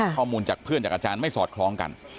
ข้อมูลจากเพื่อนจากอาจารย์ไม่สอดคล้องกัน